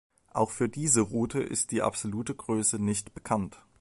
Auch für diese Rute ist die absolute Größe nicht bekannt.